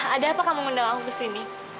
ada apa kamu undang aku kesini